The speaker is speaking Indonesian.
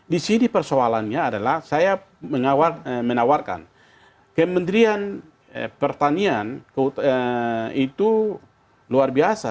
di sini persoalannya adalah saya menawarkan kementerian pertanian itu luar biasa